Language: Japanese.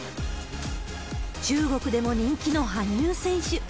中国でも人気の羽生選手。